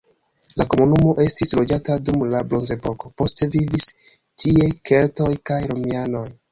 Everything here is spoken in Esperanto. La komunumo estis loĝata dum la bronzepoko, poste vivis tie keltoj kaj romianoj.